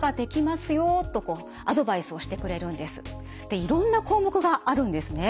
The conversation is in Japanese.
でいろんな項目があるんですね。